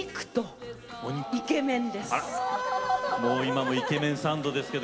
今もイケメンサンドですけどいかがですか？